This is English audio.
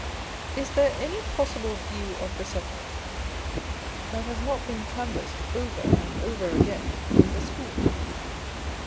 Is there any possible view of the subject that has not been canvassed over and over again in the School